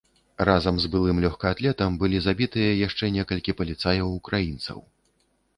Разам з былым лёгкаатлетам былі забітыя яшчэ некалькі паліцаяў-украінцаў.